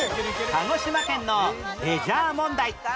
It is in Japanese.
鹿児島県のレジャー問題